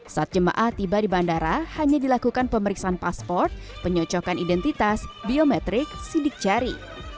saat jemaah tiba di bandara hanya dilakukan pemeriksaan pasport penyocokan identitas biometrik sidik jari